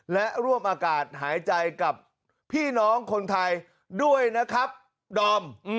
และร่วมอากาศหายใจกับพี่น้องคนไทยด้วยนะครับดอม